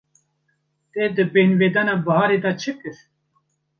Te di bêhnvedana biharê de çi kir?